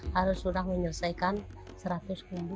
harus sudah menyelesaikan seratus kumburan